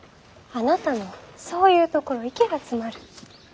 あなたのそういうところ息が詰まる。